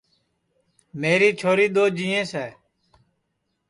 میری چھوری دؔو جِیئینٚس ہے